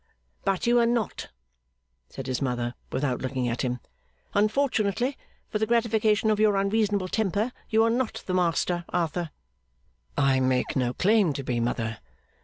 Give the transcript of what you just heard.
'But you are not,' said his mother, without looking at him. 'Unfortunately for the gratification of your unreasonable temper, you are not the master, Arthur.' 'I make no claim to be, mother.